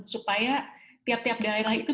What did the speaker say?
supaya tiap tiap daerah itu